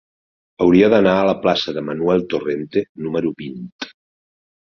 Hauria d'anar a la plaça de Manuel Torrente número vint.